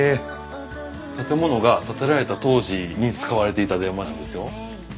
建物が建てられた当時に使われていた電話なんですよ。